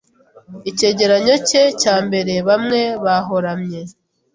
Icyegeranyo cye cya mbere Bamwe Barohamye